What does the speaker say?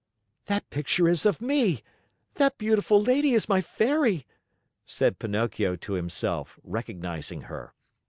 "That picture is of me! That beautiful lady is my Fairy!" said Pinocchio to himself, recognizing her.